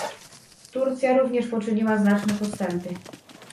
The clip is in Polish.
Turcja również poczyniła znaczne postępy